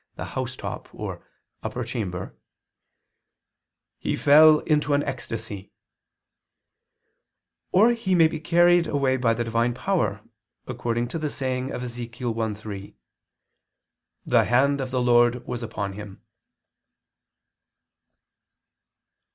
'the house top' or 'upper chamber'] "he fell into an ecstasy" or he may be carried away by the Divine power, according to the saying of Ezechiel 1:3: "The hand of the Lord was upon him."